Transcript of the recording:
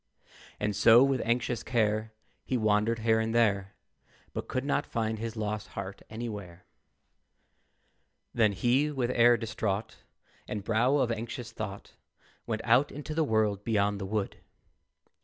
And so, with anxious care, He wandered here and there, But could not find his lost heart anywhere. Then he, with air distraught, And brow of anxious thought, Went out into the world beyond the wood.